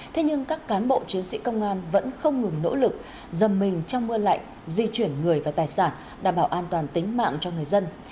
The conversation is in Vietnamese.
thế nhưng các cán bộ chiến sĩ công an vẫn không ngừng nỗ lực dầm mình trong mưa lạnh di chuyển người và tài sản đảm bảo an toàn tính mạng cho người dân